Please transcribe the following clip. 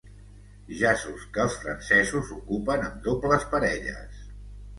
Jaços que els francesos ocupen amb dobles parelles.